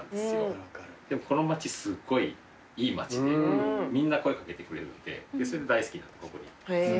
でもこの街すっごいいい街でみんな声掛けてくれるんでそれで大好きになってここに。